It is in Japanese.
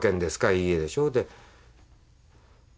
「いいえ」でしょう。